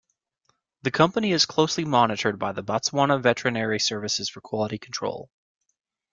The company is closely monitored by the Botswana Veterinary Services for quality control.